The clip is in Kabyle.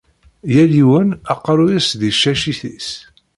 Yal yiwen, aqerru-s di tcacit-is.